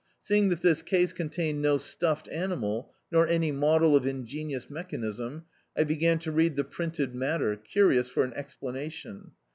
Seeing that this case contained no stuffed animal, nor any model of ingenious mechanism, I began to read the printed matter, curi ous for an explanation.